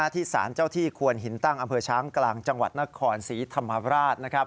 ที่สารเจ้าที่ควนหินตั้งอำเภอช้างกลางจังหวัดนครศรีธรรมราช